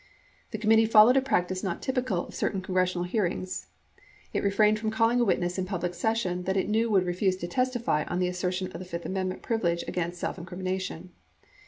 The committee followed a practice not typical of certain congres sional hearings. It refrained from calling a witness in public session that it knew would refuse to testify on the assertion of the fifth amend ment privilege against self incrimination.